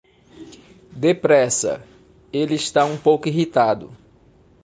Depressa, ele está um pouco irritado.